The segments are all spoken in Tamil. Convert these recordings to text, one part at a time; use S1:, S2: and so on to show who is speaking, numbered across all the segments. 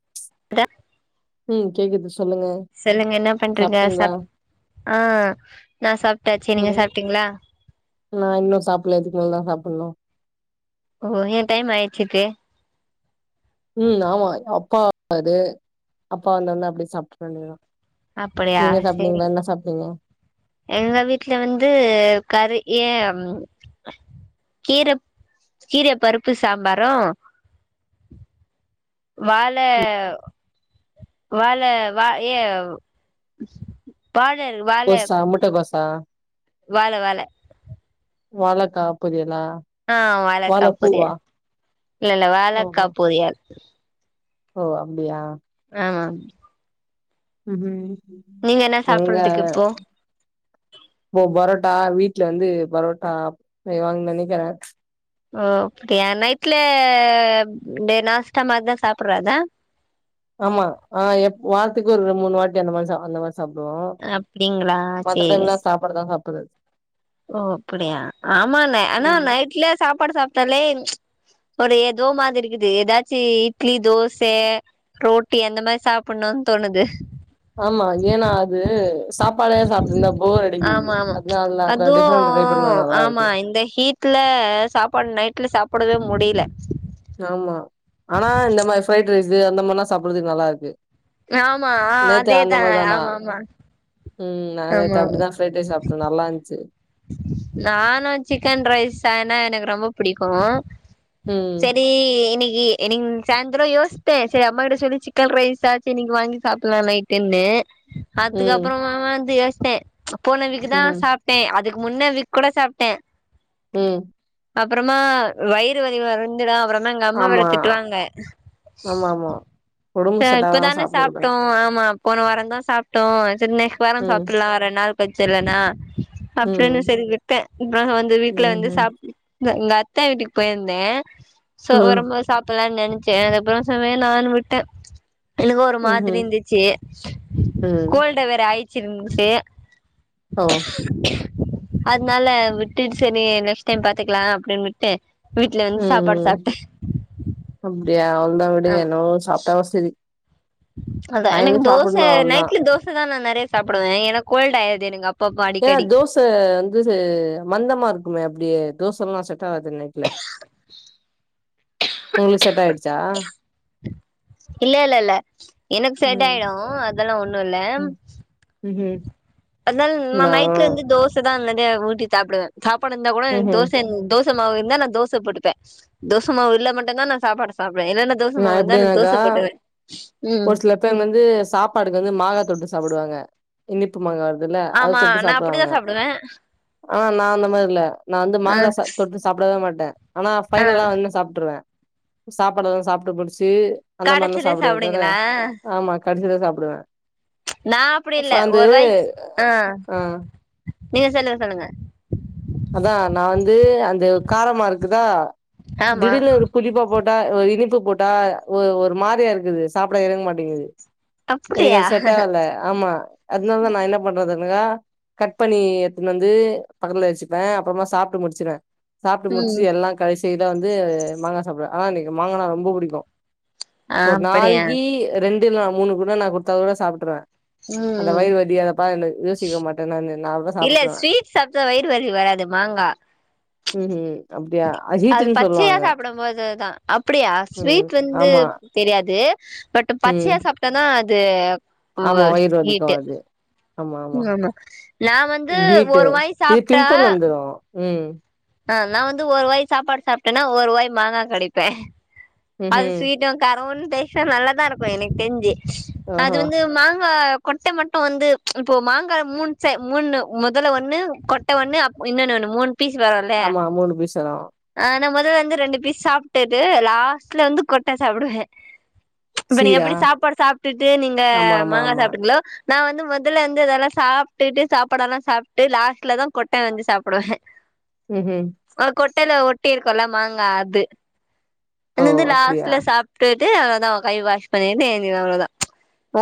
S1: [inaudible]
S2: ம் கேக்குது சொல்லுங்க.
S1: சொல்லுங்க? என்ன பண்றீங்க?
S2: சாப்ட்டீங்களா?
S1: சப் ஆ நா சாப்ட்டாச்சு நீங்க சாப்ட்டீங்களா
S2: நா இன்னோ சாப்ல்ல இதுக்கு மேல் தா சாப்புன்னு
S1: ஓ எ டைம் ஆய்ட்ருக்கே
S2: ம் ஆமா அப்பா வருவாரு அப்பா வந்தோனே அப்டி சாப்ட்ற வேண்டியதா
S1: அப்படியா
S2: நீங்க சாப்டீங்ளா
S1: சேரிங்
S2: என்ன சாப்ட்டீங்க
S1: எங்க வீட்ல வந்து கரு ஏம் கீர கீர பருப்பு சாம்பாரு வாழ வாழ வ ஏ வாழல் வாழ
S2: ஆ முட்டக்கோசா
S1: வாழ வாழ
S2: வாழக்கா பொரியலா
S1: ஆ வாழக்கா
S2: வாழப்பூவா?
S1: பொரியல் இல்லல்ல வாழக்கா
S2: ஓஹோ!
S1: பொரியல்
S2: ஓ அப்டியா
S1: ஆம் நீங்க என்ன
S2: ஒங்க
S1: சாப்புட்றதுக்கு இப்போ
S2: இப்போ பரோட்டா வீட்ல வந்து பரோட்டா செய்வாங்கனு நெனக்கிறே
S1: ஓ அப்டியா நைட்ல டே நாஸ்டா மாரிதா சாப்றதா
S2: ஆமா ஆ எப் வார்த்துக்கு ஒரு மூனு வாட்டி அந்த மாரி சாப் அந்த மாரி சாப்பிடுவோ
S1: அப்டிங்களா
S2: மத்த டைம்லா
S1: சேரிங்க
S2: சாப்பாடுதா சாப்புறது
S1: ஓ அப்டியா ஆமா ந ஆனா
S2: ம்.
S1: நைட்ல சாப்பாடு சாப்ட்டாலே ஒரு ஏதோ மாதிரி இக்குது ஏதாச்சு இட்லி தோச ரோட்டி அந்த மாரி சாப்புனு தோணுது
S2: ஆமா ஏனா அது சாப் பாட சாப்ட்டு இருந்தா போர் அடிக்குது
S1: ஆமா ஆமா
S2: அதுனால தா கொஞ்சோ
S1: அதுவு
S2: டிஃப்ரெண்ட் டிரை பண்ணா நல்லா
S1: ஆமா
S2: இருக்கு
S1: இந்த ஹீட் ல சாப்பாடு நைட்ல சாப்டவே முடில
S2: ஆமா ஆனா இந்த மாரி ஃப்ரைட் ரைஸு அந்த மார்னா சாப்புறதுக்கு நல்லா இருக்கு
S1: ஆமா ஆ
S2: நேத்து அந்த
S1: அதேதா
S2: மாரிதானா
S1: ஆமா ஆமா
S2: ம் நா நேத்து
S1: ஆமா
S2: அப்டிதா ஃப்ரைட் ரைஸ் சாப்ட்டே நல்லா இருன்ச்சு
S1: நானு சிக்கன் ரைஸ் ஆனா எனக்கு ரொம்ப புடிக்கு
S2: ம்
S1: செரி இன்னிக்கி இன்னிக்கு சாய்ந்ரோ யோச்சே செரி அம்மா கிட்ட சொல்லி சிக்கன் ரைஸாச்சு இன்னைக்கு வாங்கி சாப்புலா நைட்டுன்னு
S2: ம்
S1: அதுக்கப்றமா வந்து யோச்சே போன வீக்தா
S2: ம்
S1: சாப்ட்டே அதுக் கு முன்ன வீக் கூட சாப்ட்டே
S2: ம்
S1: அப்றமா வயிறு வலி வருன்டு தா அப்றமா எங்க அம்மா வேற
S2: ஆமா
S1: திட்டுவாங்க
S2: ஆமா ஆமா ஒடம்பு
S1: ச
S2: செட்டாகாதா
S1: இப்பதானே
S2: சாப்ட
S1: சாப்ட்டோ
S2: கூடாது
S1: ஆமா ஆம் போன வாரோ தா சாப்ட்டோ செரி நெக்ஸ்ட் வாரோ
S2: ம்
S1: சாப்புலா ரெண்டு நாள் கழுச்சு இல்லன்னா அப்டின்
S2: ம்
S1: சேரி விட்டே இப்ப தா வந்து வீட்ல
S2: ம்
S1: வந்து
S2: ம்
S1: சாப் எங்க எங்க அத்த வீட்டுக்கு போயிருந்தே சோ
S2: ம்
S1: ஒரு வரபோது சாப்புலானு நெனச்சே அதுக்கப்றோ செரி வேணானு விட்டே எனக்கே ஒரு மாதிரி
S2: ம்ஹும்
S1: இருந்துச்சு
S2: ம்
S1: கோல்ட வேற ஆயிச்சிருந்துட்டு
S2: ஓ
S1: அதுனால விட்டுட் சேரி நெக்ஸ்ட் டைம் பாத்துக்லா அப்டினு விட்டு வீட்ல வந்து சாப்பாடு
S2: ம்
S1: சாப்ட்டே
S2: அப்டியா அவ்ளோதா விடுங்க
S1: ஆமா
S2: என்னவோ சாப்ட்டாவ் செரி
S1: அதா எனக்கு தோச நைட்ல தோச தா நா நெறய சாப்புடுவே ஏன்னா கோல்ட் ஆயிடுது எனக்கு அப்
S2: ஏங்க தோச வந்து மந்தமா இருக்குமே அப்டியே தோசலா சட் ட்டாது நிக்ல உங்ளுக் செட் ஆயிட்ச்சா
S1: இல்ல இல்ல இல்ல எனக்கு செட்
S2: ம்
S1: ஆய்டு அதல்லா ஒன்னு இல்ல
S2: ம் ம்ஹூம்
S1: அத்னால் ந
S2: நா
S1: நைட்ல இந்து தோஸ் த்துதா நெற்ய ஊட்டி தாப்டுவே சாப்பாடு இந்தா கூட
S2: ம்ஹூம்
S1: தோசென் தோஸ் ச மாவு இர்ந்தா நா தோச போட்டுப்பே தோச மாவு இல்ல மட்டுந்தா நா சாப்பாடு சாப்டுவே என்னன்ன தோச மாவு இந்தா நா தோச
S2: ஆ
S1: போட்டுவே ம்
S2: ஒரு சில பேன் வந்து சாப்பாடுக்கு வந்து மாகா தொட்டு சாப்புடுவாங்க இன்னிப்புமாங்க வர்துல்ல அத
S1: ஆமா
S2: தொட்டு
S1: நா அப்டிதா
S2: சாப்புவாங்க
S1: சாப்டுவே
S2: ஆ நா அந்த மாரி இல்ல நா வந்து
S1: ஆ
S2: மாங்கா சா தொட்டு சாப்டவே மாட்டே ஆனா
S1: ஆ
S2: ஃபைனலா வந்நு சாப்ட்ருவே சாப்பாடெல்லா சாப்ட்டு முடிச்சி அந்தமாரில்லா
S1: கடச்சில
S2: சாப்டுவே தர
S1: சாப்டுவீங்களா
S2: ஆமா கடசிதா சாப்டுவே
S1: நா அப்டி
S2: அஃப்
S1: இல்ல
S2: ஆந்து
S1: ஒரு வாய் ஆ
S2: ஆ
S1: நீங்க சொல்லு சொல்லுங்க
S2: அதா நா வந்து அந்துவ் காரமா இருக்குதா
S1: ஆமா
S2: திடீனு ஒரு புள்ளி பாப் போட்டா ஒ இனிப்பு போட்டா ஒ ஒர் மாரியா இருக்குது சாப்ட எறங் மாட்டேங்குது எனக்கு
S1: அப்டியா
S2: அத் செட் ஆகல ஆமா அத்னால்தா நா என்ன பண்றதுனுகா கட் பண்ணி எடுத்துன் வந்து பக்கத்துல வச்சிப் பே அப்றமா சாப்ட்டு முட்ச்சிரே சாப்ட்டு முட்ச்சி
S1: ம்
S2: எல்லான்க் கடைசில வந்து மாங்கா சாப்டுவே ஆனா இன்னிக்கு மாங்கனா ரொம்ப பிடிக்கு
S1: ஆ
S2: ஒர்
S1: அப்படியா
S2: நாளிக்கி ரெண்டு இல்னா மூணுக்கூட நா குட்த்தா கூட சாப்ட்டுர்ரே அந்த
S1: ம்
S2: வயற் வலி அத பாக்னு யோசிக்வே மாட்ட நானு நாவ்வ
S1: இல்ல
S2: சாப்புட்ருவே
S1: ஸ்வீட் சாப்ட்டா வயிறு வராது வராது மாங்கா
S2: ம்ஹூம் அப்டியா
S1: அது
S2: ஹீட்டுன்னு
S1: பச்சயா
S2: சொல்லுவாங்க
S1: சாப்படும் போதுதா அப்படியா
S2: ம்
S1: ஸ்வீட் வந்து
S2: ஆமா
S1: தெரியாது பட்டு
S2: ம்
S1: பச்சையா சாப்ட்டனா அது
S2: ஆமா
S1: உவு
S2: வயிறு வலிக்கு
S1: ஹீட்டு
S2: அது
S1: உ ஆமா நா வந்து
S2: ஹீட்டு
S1: ஒரு வாய்
S2: இது
S1: சாப்ட்டா
S2: பிம்பிள் வந்துரு ம்
S1: ஆ நா வந்து ஒரு வாய் சாப்பாடு சாப்ட்டன்னா ஒரு வாய் மாங்கா கடிப்பே அது
S2: ம்ஹும்
S1: ஸ்வீட்டு காரவுன் டேஷ்ட்டா நல்லதா இருக்கு எனக் தென்தி அது
S2: ஓஹோ
S1: வந்து மாங்காப் கொட்ட மட்டு வந்து இப்போ மாங்கா மூண்சை மூணு முதல்ல ஒண்ணு கொட்ட ஒண்ணு இன்னொன்னு ஒன்னு மூண் பீஸ் வேரல்லே
S2: ஆமா மூணு பீஸ் வரு
S1: ஆனா முதல்ல இந்து ரெண்டு பீஸ் சாப்ட்டுட்டு லாஸ் ஸ்லந்து கொட்ட சாப்டுவே இப்ப நீங்க
S2: சீரா
S1: எப்படி சாப்பாடு சாப்ட்டுட்டு நீங்க
S2: ஆமா ஆமா
S1: மாங்கா
S2: ஆமா
S1: சாப்ட்டீங்ளோ நா வந்து முதல்ல வந்து அதெல்லா சாப்ட்டுட்டு சாப்பாடல்லா சாப்ட்டு லாஸ்ட்ல தா கொட்ட வந்து சாப்புடுவே [inaudible]
S2: ம்ஹும்
S1: ஓர் கொட்டைய்ல ஒட்டிர்க்குல்ல மாங்கா அது
S2: ஓ
S1: அன் வந்து
S2: அப்டியா
S1: லாஸ்ட்ல சாப்ட்டுட்டு அவ்ளதாவ் கை வாஷ் பண்ணிட்டு ஏந்திருவே அவ்ளோதா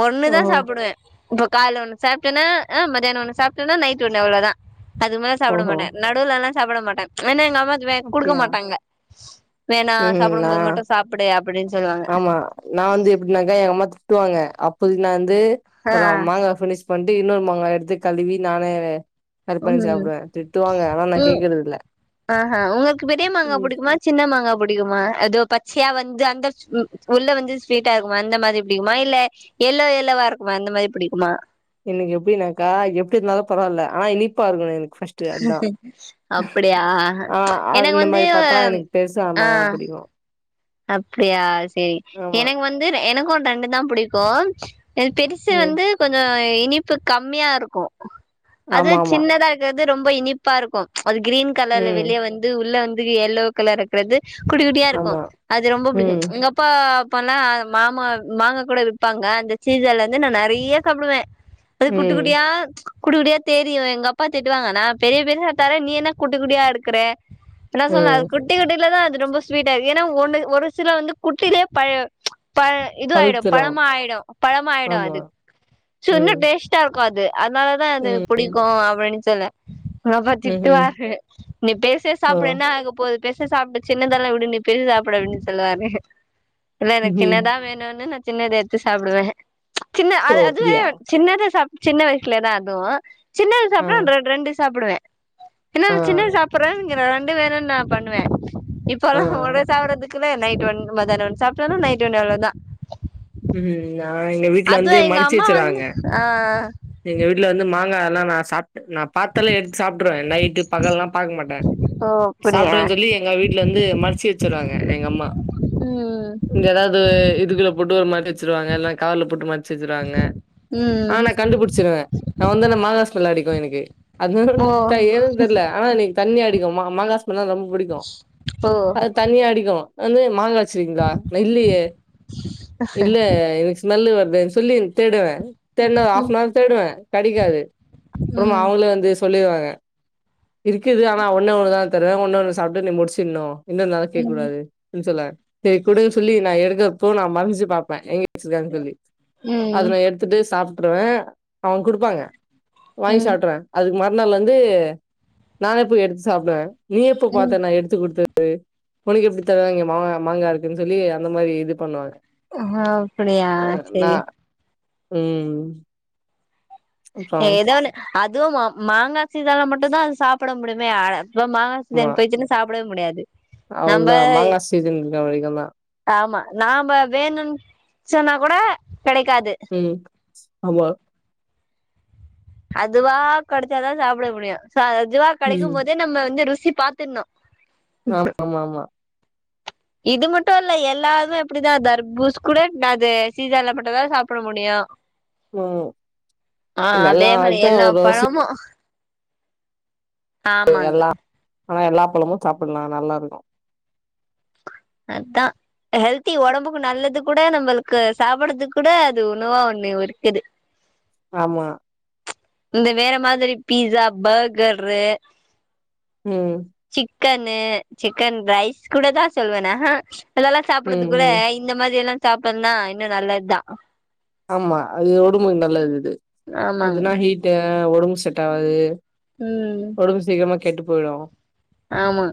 S1: ஒன்னு தா
S2: ஓஹோ
S1: சாப்புடுவே இப்போ கால ஒன்னு சாப்ட்டேனா அ மத்யானோ ஒன்னு சாப்ட்டேன்னா நைட் ஒன்னு அவ்ளதா அதுமேல சாப்ட
S2: ஓஹோ
S1: மாட்டே நடுலலா சாப்பட மாட்டே நென்னு எங்க அம்மா இவெ கொடுக்க
S2: அப்டியா
S1: மாட்டாங்க வேணா
S2: ம் நா
S1: சாப்படும்போது மட்டு சாப்படு அப்படின் சொல்லுவாங்க
S2: ஆமா நா வந்து எப்டினாக்கா எங்கம்மா திட்டுவாங்க அப்போதிக் நா அந்து
S1: ஆ
S2: ஒர மாங்கா ஃபினிஷ் பந்டு இன்னொர் மாங்கா எடுத்து கழுவி நானே வே கருப்பண்ணி
S1: ம்
S2: சாப்டுவேன் திட்டுவாங்க ஆனா நா
S1: ம்
S2: கேக்குற்துல்ல ம் ஹு
S1: சின்னமாங்கா புடிக்குமா அதோ பச்யா வந்து அந்தர்ஸ் உம் உள்ள வந்து ஸ்வீட்டா இர்க்குமா அந்த மாதி பிடிக்குமா இல்லே எல்லோ எல்லோவா இர்க்குமா அந்த மாரி பிடிக்குமா
S2: எனக்கு எப்டின்னாக்கா எப்டி இர்ந்தாலு பரால்ல ஆனா இனிப்பா இருக்கணு எனக் ஃபஸ்ட்டு அந்தா
S1: அப்படியா
S2: ஆ
S1: எனக்கு
S2: அந்த
S1: வந்து
S2: மாரி பாத்தா எனக்கு பெருசு ஆமாங்க புடிக்கு
S1: அப்டியா சேரி
S2: ஆமா
S1: எனக்கு வந்து எனக்கு தண்டு தா புடிக்கு எனக்கு பெரு சு
S2: ம்
S1: வந்து கொஞ்சோ இனிப்பு கம்மியா இருக்கு அது
S2: ஆமா ஆமா
S1: சின்னதா கு வந்து ரொம்ப இனிப்பா இருக்கு அது க்ரீன் கலர்ல
S2: ம்
S1: வெளிய வந்து உள்ள வந்து எல்லோ கலர் இருக்கிறது குட்டி குட்டியா இருக்கு
S2: ஆமா
S1: அது ரொம்ப
S2: ம்
S1: புடிக்கு அப்பா போனா மாமா மாங்க கூட விப்பாங்க அந்த சீசன்ல இந்து நா நெறைய சாப்டுவ அப்டியே குட்டி
S2: ம்
S1: குட்டியா குட்டி குட்டியா தேரிவ எங்க அப்பா திட்டுவாங்க நா பெரிய பெரிசா தார நீ என்ன குட்டி குட்டியா எடுக்கற என்ன சொல்ல அது
S2: ம்
S1: குட்டி குட்டில தா அது ரொம்ப ஸ்வீட்டாக்கு ஏனா ஒன்னு ஒரு சில வந்து குட்டிலே பழ் பழ் இது ஆய்டு
S2: பழுத்துரு
S1: பழமா ஆய்டு பழமா ஆய்டு
S2: ஆமா
S1: அது சுன்ன
S2: ம்
S1: டேஸ்ட்டா இருக்கு அது அதனால தா அது எனக்கு
S2: ம்
S1: புடிக்கு அப்டின்னு சொன்ன எங்க அப்பா
S2: ம்ஹ்ம்
S1: திட்டுவாரு நீ பெருசே
S2: ஓ
S1: சாப்புட என்ன ஆக போது பெருச சாப்புடு சின்னதெல்லா விடு நீ பெருச சாப்புடு அப்டின்னு சொல்லுவாரு இல்ல எனக்
S2: ம்ஹ்ம்
S1: சின்னதா வேணுனு நா சின்னத ஏடுத்து சாப்டுவ சின்ன
S2: ஓ
S1: அதாது
S2: அப்டியா
S1: சின்னத சாப்ட்ட சின்ன வயசுலேதா அது சின்னது
S2: ஆ
S1: சாப்ட்ட அந்த ரெண் ரெண்டு சாப்பிடுவ என்னா
S2: ஆ
S1: சின்ன சாப்பிடுறான் இங்க ரெண்டு வேறும்தா பண்ணுவ
S2: ஆ
S1: இப்பல்லா ஒடே சாப்பறதுக்குள்ளே நைட்டு ஒண்ணு மதியானோ ஒண்ணு சாப்டோன நைட்டு ஒண்ணு அவ்வளோதா
S2: ம் நா எங்க வீட்ல வந்து
S1: அதுவு எங்க
S2: மரச்சு
S1: அம்மா
S2: வச்சிறாங்க
S1: வந்து ஆ
S2: எங்க வீட்ல வந்து மாங்கா எல்லா நா சாப்ட்டு நா பாத்தாலே எடுத்து சாப்டுருவ நைட்டு பகல்லா பாக்க மாட்ட
S1: ஓ அப்டியா
S2: சாப்ட்டன்னு சொல்லி எங்க வீட்டு்ல வந்து மரச்சு வச்சுருறாங்க எங்க அம்மா
S1: ம்
S2: இங்க ஏதாவது இதுக்குள்ள போட்டு ஒரு மறச்சிருவாங்க இல்லன்னா கவர்ல போட்டு மறச்சி வச்சிருவாங்க ஆ
S1: ம்
S2: நா கண்டுபுடிச்சிருவ நா வந்துன மாங்கா ஸ்மல அடிக்கு எனக்கு அது
S1: ஓ
S2: வந்து ஏன்னு தெர்ல ஆனா எனக்கு தண்ணி அடிக்கு மா மாங்கா ஸ்மல்னா ரொம்பா புடிக்கு
S1: ஓ
S2: அது தண்ணியா அடிக்கு வந்து மாங்கா வச்சிருகீங்ளா இல்லையே இல்ல எனக்கு ஸ்மெல்லு வருதுேன் சொல்லி தேடுவ தேடனா ஹாஃப்
S1: ம்
S2: அன் அவர் தேடுவ கெடைக்காது அப்புறமா
S1: ம்
S2: அவங்களே வந்து சொல்லிருவாங்க இருக்குது ஆனா ஒண்ணே ஒண்ணு தா தருவ ஒண்ணே ஒண்ணு சாப்ட்டு நீ முடிச்சிட்னு என்னனாலு கேக்க
S1: ம்
S2: கூடாது ம் சொல்ல சேரி குடுன்னு சொல்லி நா எடுக்கிறப்போ நா மறஞ்சி பாப்பே எங்க வச்சிருக்காங்கன் சொல்லி
S1: ம்
S2: அதுல எடுத்துட்டு சாப்ட்டுருவ அவுங்க குடுப்பாங்க வாங்கி
S1: ம்
S2: சாப்டுறுவ அதுக்கு மறுநாள் வந்து நாணே போய் எடுத்து சாப்டுவ நீ எப்ப
S1: ம்
S2: பாத்த நா எடுத்து குடுத்தது உனக்கு எப்டி தெரியு இங்க மாங்கா மாங்கா இருக்குன் சொல்லி அந்த மாரி இது பண்ணுவாங்க
S1: ஆ அப்படியா
S2: நா
S1: சேரி
S2: ம் அப்றோ
S1: ஏதோ ஒன்னு அதுவு மி மாங்கா சீசன்ல மட்டு தா அது சாப்ட முடியுமே ஆக்சுலா மாங் சீசன் போய்ச்சின்னா சாப்டவே முடியாது
S2: அவ்ள
S1: நம்ப
S2: தா மாங்கா சீசன் இருக்கற வரைக்கு தா
S1: ஆமா நாம வேணுன் சொன்னா கூட கெடைக்காது
S2: ம் ஆமா
S1: அதுவா கெடச்சாதா சாப்ட முடியு சோ அதுவா கெடைக்கும்
S2: ம்
S1: போதே நம்ம வந்து ருசி பாத்துர்ணு
S2: ஆ ஆமா ஆமா
S1: இது மட்டு இல்ல எல்லாமே அப்டிதா தர்பூஸ் கூட நாது சீசன்ல மட்டு தா சாப்ட முடியு
S2: ம்
S1: ஆ அதே
S2: எல்லா
S1: மாரி
S2: இதா
S1: எல்லா
S2: ஒரு ஒரு சீசன்
S1: பழமு
S2: [unintelligible]
S1: ஆமாங்க
S2: எல்லா ஆனா எல்லா பழமு சாப்ட்லா நல்லா இருக்கு
S1: அதா ஹெல்தி ஒடம்புக்கு நல்லது கூட நம்மளுக்கு சாப்பறது கூட அது உணவா ஒண்ணு இருக்குது
S2: ஆமா
S1: இந்த வேற மாதிரி பீஸா பர்கரு
S2: ம் ம்
S1: சிக்கனு சிக்கன் ரைஸ் கூட தா சொல்லுவே [unintelligible] அதெல்லா சாப்ட்றது
S2: ம்
S1: கூட
S2: ம்
S1: இந்த மாரி எல்லா சாப்புன்னா இன்னு நல்லதா
S2: ஆமா அது ஒடம்புக்கு நல்லது இது
S1: ஆமாங்க
S2: அதுனா ஹீட்டு ஒடம்பு செட் ஆவாது
S1: ம்
S2: ஒடம்பு சீக்கிரமா கெட்டு போய்டு
S1: ஆமா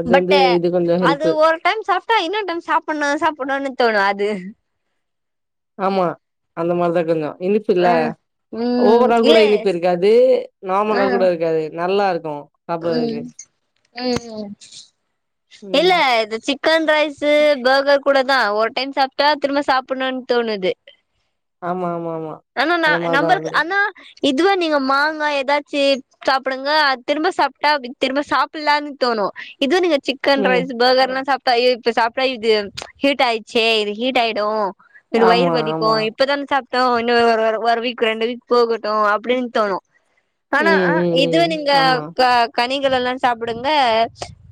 S2: அது
S1: பட்
S2: வந்து இது கொஞ்சோ ஹெல்ப்
S1: அது ஒ ரு டைம் சாப்ட்டா இன்னொன்னு டைம் சாப்ட்ணு சாப்டணுனு தோணு அது
S2: ஆமா அந்த மாரிதா கொஞ்சோ இனிப் புல்ல
S1: ஆ ம்
S2: ஓவரா கூட
S1: இல்ல
S2: இனிப்பு இருக்காது
S1: ஆ
S2: நார்மலா கூட இருக்காது நல்லா இருக்கு
S1: ம்
S2: சாப்புட்றதுக்கு
S1: ம் இல்ல
S2: ம்
S1: இது சிக்கன் ரைஸ்சு பர்கர் கூட தா ஒரு டைம் சாப்ட்டா திரும்ப சாப்ட்ணுனு தோணுது
S2: ஆமா ஆமா ஆமா
S1: ஆனா ந
S2: அந்த மாரிதா
S1: நம்பரு
S2: இருக்கு
S1: ஆனா இதுவ நீங்க மாங்க ஏதாச்சு சாப்டுங்க அது திரும்ப சாப்ட்டா திரும்ப சாப்டலான்னு தோணு இது நீங்க சிக் கன்
S2: ம்
S1: ரைஸ் பர்கர்ல்லா சாப்ட்டா [unintelligible] இப்ப சாப்ட்டா இது ஹீட் ஆயிடுச்சே இது ஹீட் ஆயிடு எனக்கு வயிறு
S2: ஆமா
S1: வலிக்கு
S2: ஆமா
S1: இப்பதான சாப்ட்டோ இன்னு ஒரு வீக் ரெண்டு வீக் போகட்டு அப்டின்னு தோணு ஆனா
S2: ம் ம்
S1: இது
S2: ம்
S1: நீங்க
S2: ஆமா
S1: க கனிகள் எல்லா சாப்புடுங்க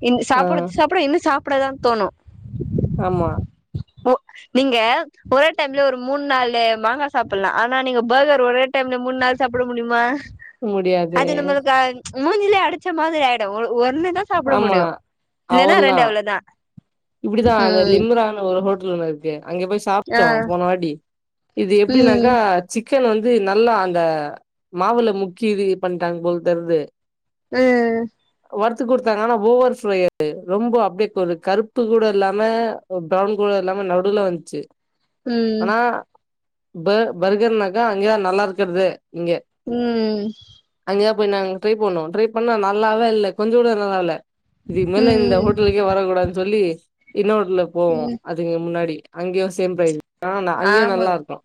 S1: இன்
S2: ஆ
S1: சாப்ட்ட சாப்ட்ட இன்னு சாப்டதா தோணு
S2: ஆமா
S1: நீங்க ஒரே டைம்ல ஒரு மூண் நாலு மாங்கா சாப்பலா ஆனா நீங்க பர்கர் ஒரே டைம்ல மூண் நாலு சாப்ட முடியுமா
S2: முடியாது
S1: அது நம்மளுக்கு மூஞ்லே அடைச்ச மாரி ஆயிடு ஒரு ஒண்ணு தா சாப்ட
S2: ஆமா
S1: முடியு இல்லன்னா
S2: அவ்ளதா
S1: ரெண்டு அவ்ளோதா
S2: இப்டிதா அந்த
S1: ம்
S2: லிம்ரான்னு ஒரு ஹோட்டல் ஒண்ணு இருக்கு அங்க போய்
S1: ஆ
S2: சாப்ட்டோ போனாவாட்டி இது எப்டினாக்கா
S1: ம்
S2: சிக்கன் வந்து நல்லா அந்த மாவுல முக்கி இது பண்ட்டாங்க போல தெரியிது
S1: ம்
S2: வறுத்து கொடுத்தாங்க ஆனா ஓவர் ஃப்ரை அது ரொம்ப அப்டிய ஒரு கருப் பு கூட இல்லாம ப்ரவுன் கூட இல்லாம நடுல வந்துச்சு
S1: ம்
S2: ஆனா பர் பர்கர்னாக்கா அங்கயே நல்லா இருக்கறதே இங்க
S1: ம்
S2: அங்கேதா போய் நாங்க ட்ரை பண்ணோ ட்ரை பண்ணா நல்லாவே இல்ல கொஞ்ச கூட நல்லா இல்லே இதுக்கு
S1: ம்
S2: மேல இந்த ஹோட்டலுக்கே வரக்கூடாது சொல்லி இன்னொரு ஹோட்டல்க்கு போவோ
S1: ம்
S2: அது இங்க முன்னாடி அங்கேயு சேம் ப்ரைஸ்தா அங்கேயு
S1: ஆமா
S2: நல்லா இருக்கு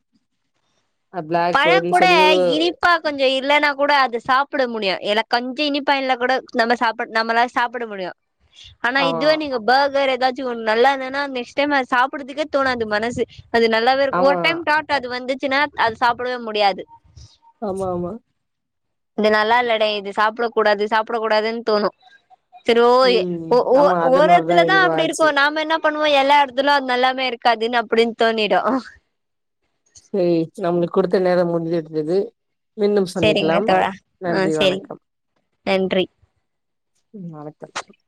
S2: பிளாக்
S1: பழ
S2: பேர்டுன்னு
S1: கூட
S2: சொல்லி ஒரு
S1: இனிப் பா கொஞ்ச இல்லன்னா கூட அத சாப்ட முடியு ஏன்னா கொஞ்ச இனிப்பா இல்லனா கூட நம்ம சாப்ட நம்மள சாப்ட்ட முடியு [unintelligible] ஆனா
S2: ஆமா
S1: இதுவே நீங்க பேர்கர் ஏதாச்சு ஒன்னு நல்லா இருந்தன்னா நெக்ஸ்ட் டைம் அத சாப்ட்றதுக்கே தோணாது மனசு அது நல்லாவே இரு ஒரு
S2: ஆமா
S1: டைம் தாட் அது வந்துச்சுன்னா அது சாப்டவே முடியாது
S2: ஆமா ஆமா
S1: இது நல்லா இல்லடே இது சாப்ட கூடாது சாப்ட கூடாதுன்னு தோணு சேரி ஓ ஓ ஏ
S2: ம்
S1: ஓ
S2: ஆமா அது
S1: ஒரு
S2: மாரிதா
S1: இடத்துலதா
S2: எங்களுக்கு
S1: அப்டி
S2: ஆச்சு
S1: இருக்கு நாம என்ன பண்ணுவோ எல்லா இடத்துலயு அது நல்லாமே இருக்காதுன்னு அப்டின்னு தோணிடு
S2: சேரி சேரி நம்மளுக்கு குடுத்த நேரம் முடிஞ்சிடுந்தது மீண்டும்
S1: சரிங்க
S2: சந்திக்கலாம்
S1: தோழா ஆ
S2: நன்றி
S1: சரிங்க
S2: வணக்கம்
S1: நன்றி
S2: செரி நாளைக்கி கால் பண்றே